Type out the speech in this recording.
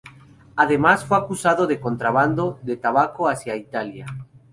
Además, fue acusado de contrabando de tabaco hacia Italia.